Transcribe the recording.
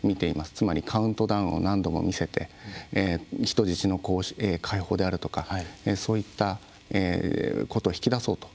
つまり、カウントダウンを何度も見せて人質の解放であるとかそういったことを引き出そうと。